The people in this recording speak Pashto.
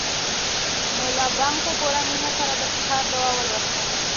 ملا بانګ په پوره مینه سره د سهار دعا ولوسته.